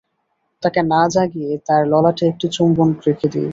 তাকে না জাগিয়ে তার ললাটে একটি চুম্বন রেখে দিই।